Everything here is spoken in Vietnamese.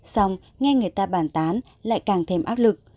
xong nghe người ta bàn tán lại càng thêm áp lực